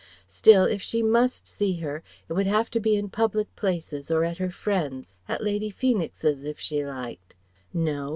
still if she must see her, it would have to be in public places or at her friends, at Lady Feenix's, if she liked. No.